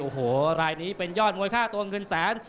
โอ้โหรายนี้เป็นยอดมวยค่าตัวเงินแสน